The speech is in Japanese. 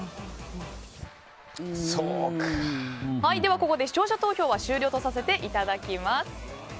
ここで視聴者投票は終了とさせていただきます。